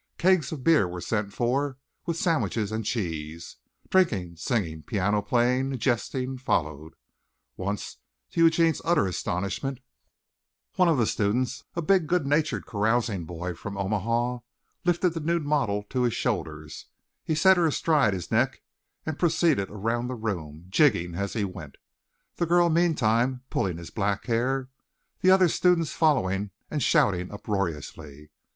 Kegs of beer were sent for, with sandwiches and cheese. Drinking, singing, piano playing, jesting followed. Once, to Eugene's utter astonishment, one of the students a big, good natured, carousing boy from Omaha lifted the nude model to his shoulders, set her astride his neck and proceeded around the room, jigging as he went the girl meantime pulling his black hair, the other students following and shouting uproariously.